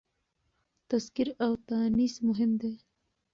تذکير او تانيث مهم دي.